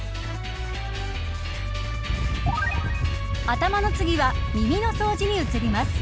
頭の次は、耳の掃除に移ります。